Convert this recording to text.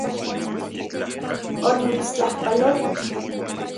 Onimitstlajpaloko